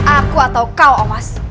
aku atau kau omas